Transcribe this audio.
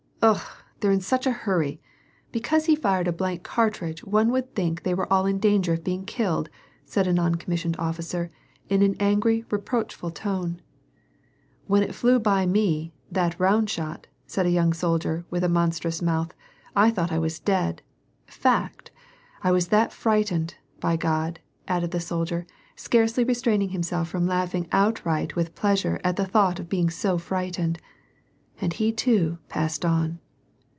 " Bah ! they're in such a hurry ! Because he tired a blank cartridge one would think they were all in danger of being killed," said a non commissioned officer, in an angiy, reproach ful tone. "When it flew by me — that round shot," said a young soldier with a monstrous mouth, " I thought I was dead. Fact ! I was that frightened, by God," added the soldier, scarcely restraining himself from laughing outright with pleasure at the thought of being so frightened. And he too passed on.